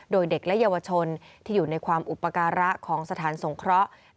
โดยเด็กและเยาวชนที่อยู่ในความอุปการะของสถานสงเคราะห์